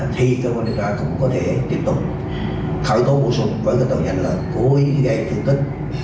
thì cơ quan điều tra cũng có thể tiếp tục khởi tố bổ sung với cái tội danh là cố ý gây thương tích